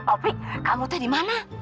opi kamu tuh dimana